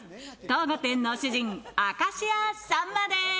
当御殿の主人明石家さんまです！